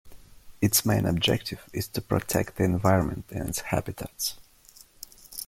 Its main objective is to protect the environment and its habitats.